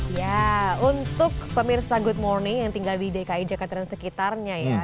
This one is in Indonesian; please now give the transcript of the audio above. ya untuk pemirsa good morning yang tinggal di dki jakarta dan sekitarnya ya